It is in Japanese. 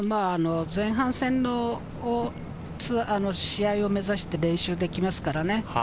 でも前半戦の試合を目指して練習できますからね。